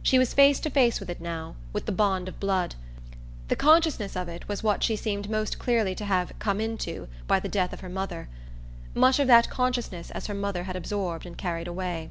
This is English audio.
She was face to face with it now, with the bond of blood; the consciousness of it was what she seemed most clearly to have "come into" by the death of her mother, much of that consciousness as her mother had absorbed and carried away.